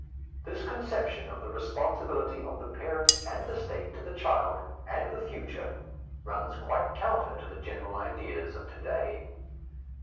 This conception of the responsibility of the parents and the State to the child and the future runs quite counter to the general ideas of to day.